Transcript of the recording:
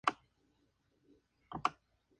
George Andrew Davis, Jr.